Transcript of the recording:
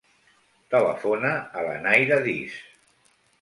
Telefona a la Nayra Diz.